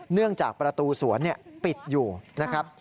เนื่องจากประตูสวนปิดอยู่นะครับ